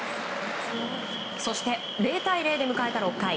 そして、０対０で迎えた６回。